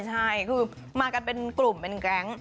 ใช่คือมากันเป็นกลุ่มเป็นแก๊ง